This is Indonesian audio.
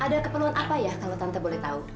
ada keperluan apa ya kalau tante boleh tahu